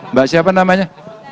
mbak siapa namanya